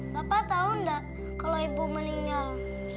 bapak tahu nggak kalau ibu meninggal